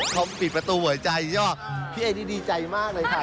เขาปิดประตูหัวใจใช่ป่ะพี่เอดูดีใจมากเลยค่ะ